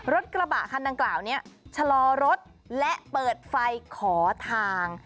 รถกระบะคันดังกล่าวนี้ชะลอรถและเปิดไฟขอทาง